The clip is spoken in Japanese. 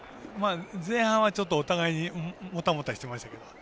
前半はお互いにもたもたしてましたけど。